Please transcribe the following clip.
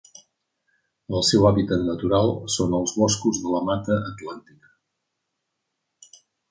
El seu hàbitat natural són els boscos de la Mata Atlàntica.